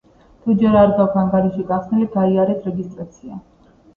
თუ ჯერ არ გაქვთ ანგარიში გახსნილი, გაიარეთ რეგისტრაცია.